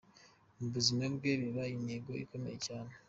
Mu buzima bwe biba intego ikomeye cyane.